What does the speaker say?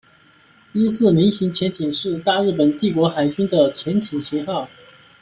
伊四零型潜艇是大日本帝国海军的潜舰型号。